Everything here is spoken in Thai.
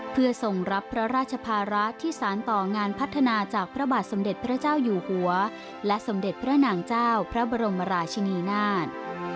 เพื่อทรงรับพระราชภาระที่สารต่องานพัฒนาจากพระบาทสมเด็จพระเจ้าอยู่หัวและสมเด็จพระนางเจ้าพระบรมราชินีนาฏ